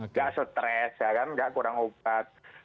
nggak stres ya kan nggak kurang obat